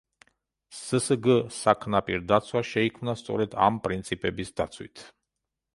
სსგ „საქნაპირდაცვა“ შეიქმნა სწორედ ამ პრინციპების დაცვით.